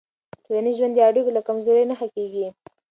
ټولنیز ژوند د اړیکو له کمزورۍ نه ښه کېږي.